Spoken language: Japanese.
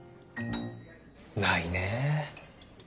ないねえ。